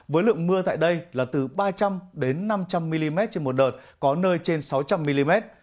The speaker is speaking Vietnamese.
với lượng mưa tại đây là từ ba trăm linh năm trăm linh mm trên một đợt có nơi trên sáu trăm linh mm